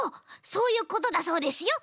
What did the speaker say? そういうことだそうですよ